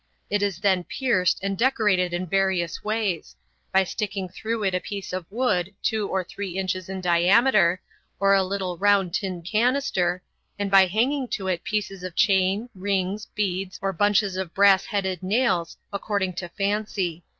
It is then pierced and decorated in various ways by sticking through it a piece of wood two or three inches in diameter, or a little round tin canister, and by hanging to it pieces of chain, rings, beads, or bunches of brass headed nails, according to fancy.